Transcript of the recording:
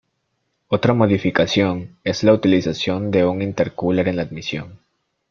Otra modificación es la utilización de un intercooler en la admisión.